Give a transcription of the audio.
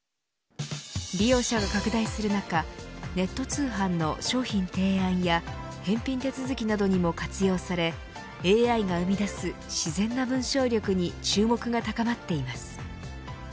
利用者が拡大する中ネット通販の商品提案や返品手続きなどにも活用されＡＩが生み出す自然な文章力に注目が高まっています。